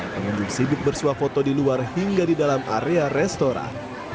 pengunjung sibuk bersuah foto di luar hingga di dalam area restoran